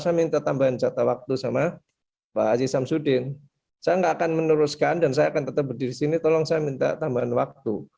saya minta tambahan jatah waktu sama pak aziz samsudin saya nggak akan meneruskan dan saya akan tetap berdiri sini tolong saya minta tambahan waktu